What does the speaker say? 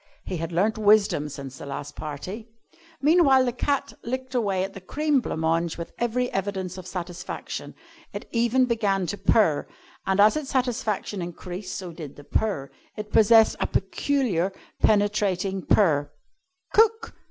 He had learnt wisdom since the last party. Meanwhile, the cat licked away at the cream blanc mange with every evidence of satisfaction. It even began to purr, and as its satisfaction increased so did the purr. It possessed a peculiar penetrating purr. "Cook!"